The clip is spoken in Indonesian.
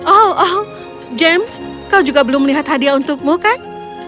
oh oh james kau juga belum melihat hadiah untukmu kan